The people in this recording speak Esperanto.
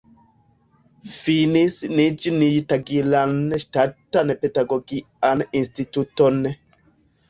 Finis Niĵnij-Tagilan Ŝtatan Pedagogian Instituton.